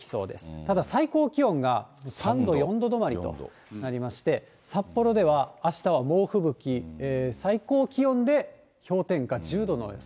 ただ最高気温が３度、４度止まりとなりまして、札幌ではあしたは猛吹雪、最高気温で氷点下１０度の予想。